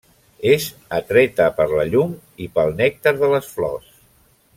És atreta per la llum i pel nèctar de les flors.